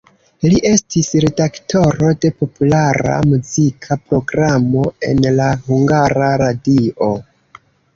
Li estis redaktoro de populara muzika programo en la Hungara Radio.